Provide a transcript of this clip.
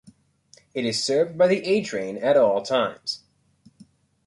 It is served by the A train at all times.